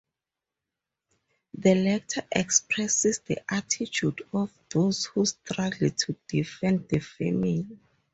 The letter expresses the attitude of those who struggle to defend the family.